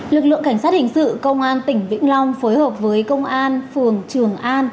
lực lượng cảnh sát hình sự công an tỉnh vĩnh long phối hợp với công an phường trường an